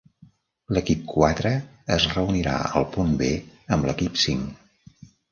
L'equip quatre es reunirà al punt B amb l'equip cinc.